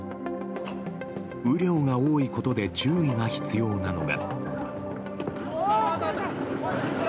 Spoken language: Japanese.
雨量が多いことで注意が必要なのが。